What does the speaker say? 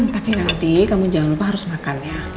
tapi nanti kamu jangan lupa harus makan ya